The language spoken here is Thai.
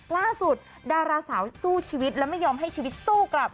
ล่าสุดดาราสาวสู้ชีวิตและไม่ยอมให้ชีวิตสู้กลับ